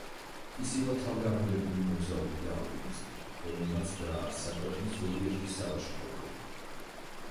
ის იყო თავგამოდებული მოგზაური და ალპინისტი, რომელმაც დააარსა ქვეყნის ზოგიერთი სალაშქრო კლუბი.